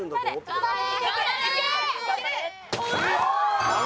頑張れ！